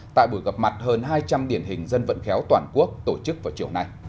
tại buổi gặp mặt hơn hai trăm linh điển hình dân vận khéo toàn quốc tổ chức vào chiều nay